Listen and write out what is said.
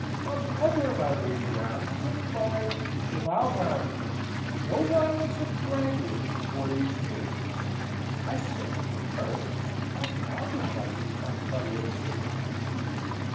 A beggar, my Lady Warrington, by " "Sir Miles Warrington, no violence of language before these dear ones! I sink to the earth, confounded by this unutterable hypocrisy.